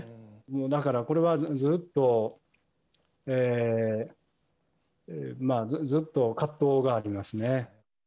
だから、これはずっと、ずっと葛藤がありますね。